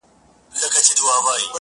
دا مې یاران دي یاران څۀ ته وایي ،